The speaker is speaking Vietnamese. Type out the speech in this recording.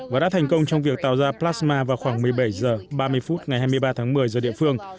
và đã thành công trong việc tàu ra plasma vào khoảng một mươi bảy h ba mươi phút ngày hai mươi ba tháng một mươi giờ địa phương